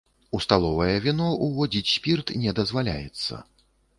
У сталовае віно ўводзіць спірт не дазваляецца.